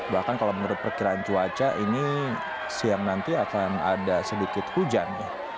bahkan kalau menurut perkiraan cuaca ini siang nanti akan ada sedikit hujan